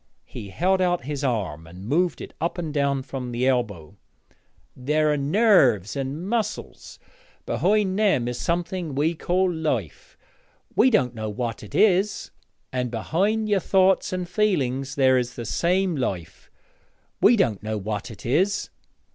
he held out his arm and moved it up and down from the elbow 'there are nerves and muscles; behind them is something we call life we don't know what it is. And behind your thoughts and feeling there is the same life we don't know what it is.